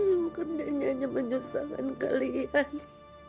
ibu kerenanya menyusahkan kalian